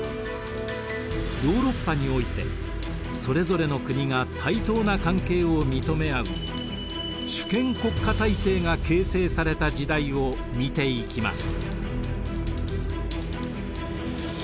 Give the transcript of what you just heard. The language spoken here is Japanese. ヨーロッパにおいてそれぞれの国が対等な関係を認め合う主権国家体制が形成された時代を見ていきます。